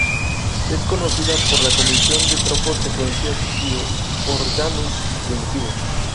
Es conocida por la composición de tropos, secuencias y "organum" primitivo.